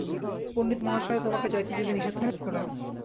পণ্ডিতমহাশয় তোমাকে যাইতে দিতে নিষেধ করেন।